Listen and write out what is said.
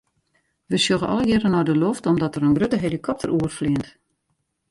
We sjogge allegearre nei de loft omdat der in grutte helikopter oerfleant.